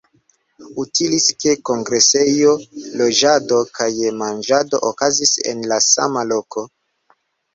Utilis ke kongresejo, loĝado kaj manĝado okazis en la sama loko.